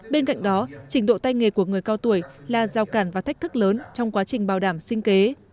bên cạnh đó trình độ tay nghề của người cao tuổi là giao cản và thách thức lớn trong quá trình bảo đảm sinh kế